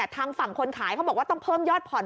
ทางฝั่งคนขายเขาบอกว่าต้องเพิ่มยอดผ่อน